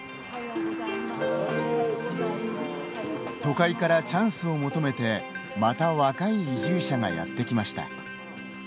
都会からチャンスを求めてまた、若い移住者がやってきました。